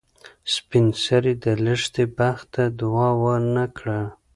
سپین سرې د لښتې بخت ته دعا ونه کړه.